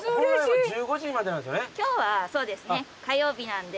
今日はそうですね火曜日なんで。